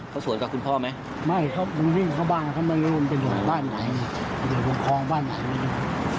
เขาสวนกับคุณพ่อไหมไม่เขามันวิ่งเข้าบ้านเขาไม่รู้มันไปอยู่บ้านไหนอยู่ตรงคลองบ้านไหนไม่รู้